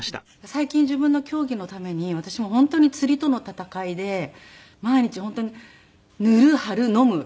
最近自分の競技のために私も本当につりとの闘いで毎日本当に塗る貼る飲む。